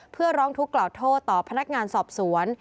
เพื่อร้องทุกข์กล่าวโทษต่อพนักงานสอบสวน